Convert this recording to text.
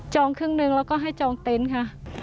ครึ่งหนึ่งแล้วก็ให้จองเต็นต์ค่ะ